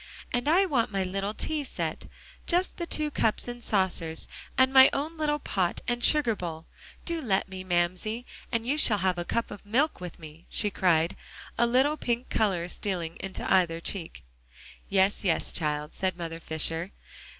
"And I want my little tea set just the two cups and saucers and my own little pot and sugar bowl. Do let me, Mamsie, and you shall have a cup of milk with me," she cried, a little pink color stealing into either cheek. "Yes, yes, child," said Mother Fisher.